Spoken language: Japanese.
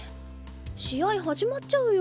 試合始まっちゃうよ。